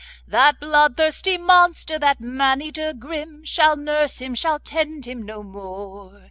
That bloodthirsty monster, That man eater grim, Shall nurse him, shall tend him no more.